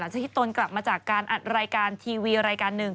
ที่ตนกลับมาจากการอัดรายการทีวีรายการหนึ่ง